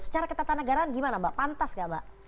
secara ketatanegaraan gimana mbak pantas gak mbak